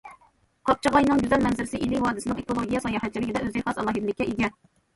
قاپچىغاينىڭ گۈزەل مەنزىرىسى ئىلى ۋادىسىنىڭ ئېكولوگىيە ساياھەتچىلىكىدە ئۆزىگە خاس ئالاھىدىلىككە ئىگە.